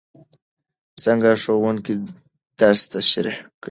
څنګه ښوونکی درس تشریح کوي؟